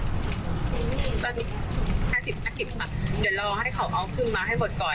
เดี๋ยวรอให้เขาเอาขึ้นมาให้หมดก่อน